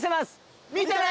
見てね！